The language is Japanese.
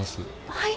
はい。